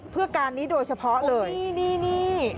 เพื่อการนี้โดยเฉพาะเลยนี่